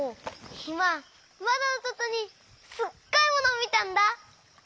いままどのそとにすっごいものをみたんだ！